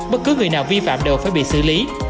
bất cứ người nào vi phạm đều phải bị xử lý